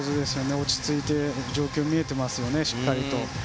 落ち着いて状況が見えていますね、しっかりと。